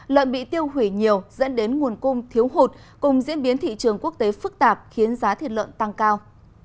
lợn bị tiêu hủy nhiều dẫn đến nguồn cung thiếu hụt cùng diễn biến thị trường quốc tế phức tạp khiến giá thịt lợn tăng cao